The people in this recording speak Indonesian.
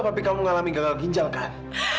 tapi kamu mengalami gagal ginjal kan